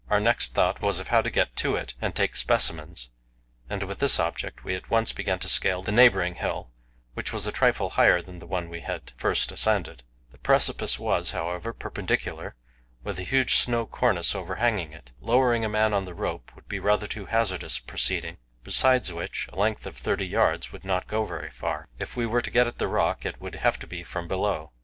Our next thought was of how to get to it and take specimens, and with this object we at once began to scale the neighbouring hill, which was a trifle higher than the one we had first ascended. The precipice was, however, perpendicular, with a huge snow cornice over hanging it. Lowering a man on the rope would be rather too hazardous a proceeding; besides which, a length of thirty yards would not go very far. If we were to get at the rock, it would have to be from below.